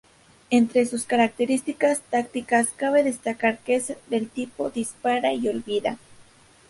Entre sus características tácticas cabe destacar que es del tipo "Dispara y olvida".